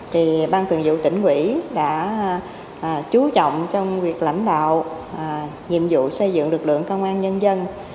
thì bang tuyển dụ tỉnh quỹ đã chú trọng trong việc lãnh đạo nhiệm vụ xây dựng lực lượng công an nhân dân